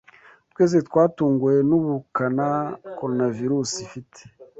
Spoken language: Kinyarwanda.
Twese twatunguwe n’ubukana coronavirusi ifite